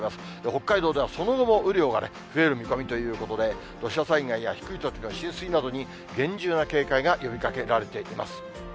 北海道では、その後も雨量が増える見込みということで、土砂災害や低い土地の浸水などに厳重な警戒が呼びかけられています。